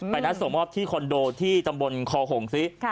นัดส่งมอบที่คอนโดที่ตำบลคอหงซิ